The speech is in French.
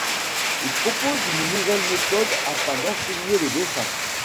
Il propose une nouvelle méthode afin d'enseigner le dessin.